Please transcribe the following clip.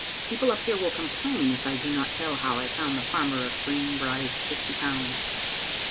People up here will complain if I do not tell how I found the farmer of Green Brae's fifty pounds.